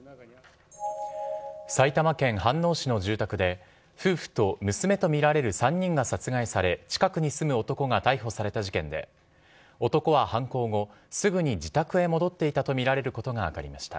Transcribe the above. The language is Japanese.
埼玉県飯能市の住宅で、夫婦と娘と見られる３人が殺害され、近くに住む男が逮捕された事件で、男は犯行後、すぐに自宅へ戻っていたと見られることが分かりました。